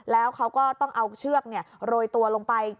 แล้วเขาก็ต้องเอาเชือกโรยตัวลงไป